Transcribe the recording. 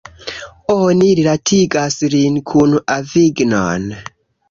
Oni rilatigas lin kun Avignon.